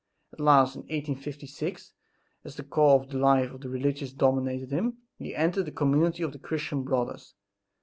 At last, in 1856, as the call to the life of a religious dominated him, he entered the community of the "Christian Brothers."